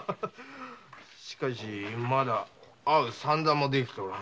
しかしまだ会う算段もできておらん。